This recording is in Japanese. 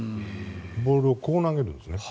ボールをこう投げるんですね。